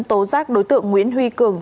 tố giác đối tượng nguyễn huy cường